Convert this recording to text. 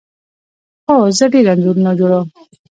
هو، زه ډیر انځورونه جوړوم